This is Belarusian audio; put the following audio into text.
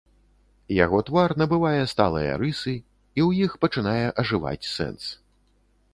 Яго твар набывае сталыя рысы, і ў іх пачынае ажываць сэнс.